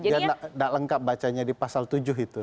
dia tidak lengkap bacanya di pasal tujuh itu